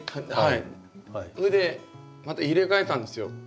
それでまた入れ替えたんですよ。